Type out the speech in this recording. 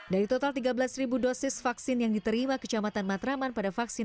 dari total tiga belas dosis vaksin yang diterima kecamatan matraman pada vaksin